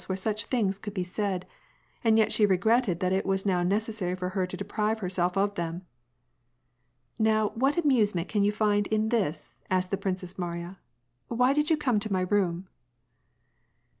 128 wheie such things could be said, and yet she regretted that it was now necessary for her to deprive herself of them. '^ Now what amusement can you find in this ?" asked the Princess Mariya. " Why did you come to my room